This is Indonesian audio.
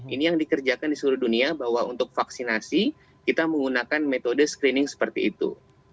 ini yang dikerjakan di seluruh dunia bahwa untuk vaksinasi kita menggunakan metode screening seperti itu